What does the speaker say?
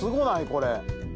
これ。